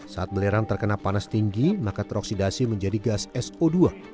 saat belerang terkena panas tinggi maka teroksidasi menjadi gas so dua